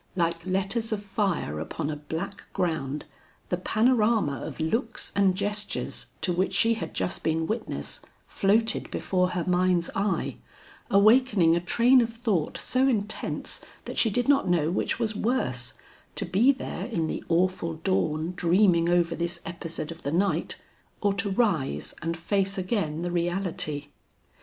Like letters of fire upon a black ground, the panorama of looks and gestures to which she had just been witness, floated before her mind's eye, awakening a train of thought so intense that she did not know which was worse, to be there in the awful dawn dreaming over this episode of the night, or to rise and face again the reality.